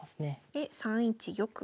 で３一玉。